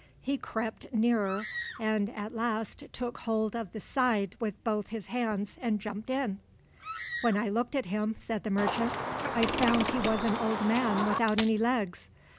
He crept nearer, and at last took hold of the side with both his hands and jumped in. "When I looked at him," said the merchant, "I found he was an old man without any legs.